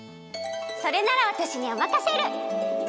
それならわたしにおまかシェル！